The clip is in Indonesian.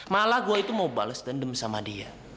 malah gue itu mau bales dendam sama dia